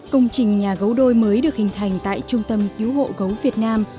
công trình nhà gấu đôi mới được hình thành tại trung tâm cứu hộ gấu việt nam